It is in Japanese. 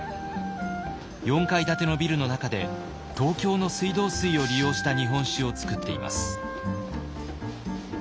４階建てのビルの中で東京の水道水を利用した日本酒を造っています。